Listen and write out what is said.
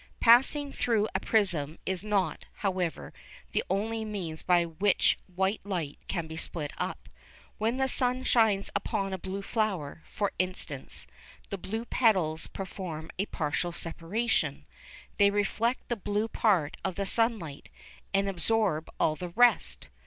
Passing through a prism is not, however, the only means by which white light can be split up. When the sun shines upon a blue flower, for instance, the blue petals perform a partial separation; they reflect the blue part of the sunlight, and absorb all the rest.